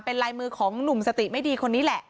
เป็นลายมือของหนุ่มสติไม่ดีคนนี้แหละ